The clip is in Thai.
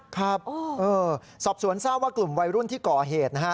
ครับสอบสวนทราบว่ากลุ่มวัยรุ่นที่ก่อเหตุนะฮะ